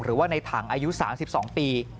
หรือว่าในถังอายุ๓๒ปี